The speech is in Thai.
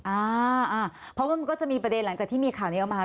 อ่าเพราะว่ามันก็จะมีประเด็นหลังจากที่มีข่าวนี้ออกมา